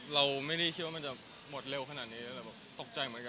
เราไม่ได้คิดว่ามันจะหมดเร็วขนาดนี้แต่แบบตกใจเหมือนกัน